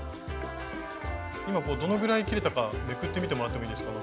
今どのぐらい切れたかめくってみてもらってもいいですか？